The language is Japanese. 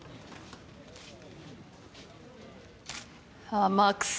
天草。